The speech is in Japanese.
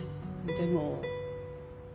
でも？